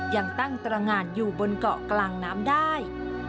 ยังตั้งตรงานอยู่บนเกาะกลางน้ำได้